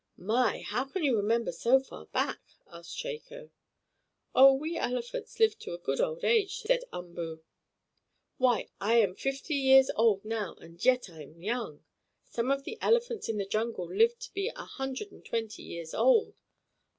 "My! How can you remember so far back?" asked Chako. "Oh, we elephants live to a good old age," said Umboo. "Why, I am fifty years old now, and yet I am young! Some of the elephants in the jungle lived to be a hundred and twenty years old!"